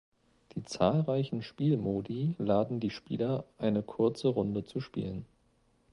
Die zahlreichen Spielmodi laden die Spieler eine kurze Runde zu spielen.